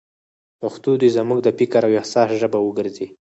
پښتو دې زموږ د فکر او احساس ژبه وګرځي.